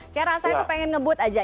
kayaknya rasanya tuh pengen ngebut aja